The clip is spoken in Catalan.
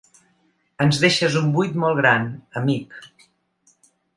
Ens deixes un buit molt gran, amic.